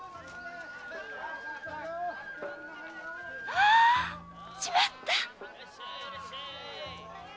あーっ！しまった‼